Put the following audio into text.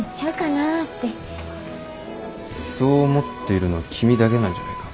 そう思っているのは君だけなんじゃないか？